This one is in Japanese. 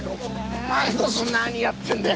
お前こそ何やってんだよ？